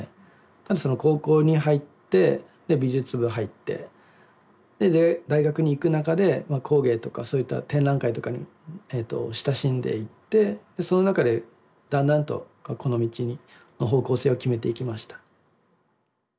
ただ高校に入って美術部入ってで大学に行く中で工芸とかそういった展覧会とかに親しんでいってその中でだんだんとこの道に方向性を決めていきました。